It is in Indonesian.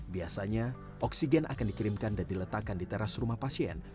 biasanya oksigen akan dikirimkan dan diletakkan di teras rumah pasien